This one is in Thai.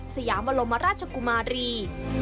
สยามบรมราชกุมารี